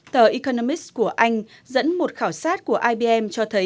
tờ economics của anh dẫn một khảo sát của ibm cho thấy